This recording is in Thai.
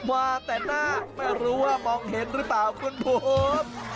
ว่าแต่หน้าไม่รู้ว่ามองเห็นหรือเปล่าคุณบุ๊ค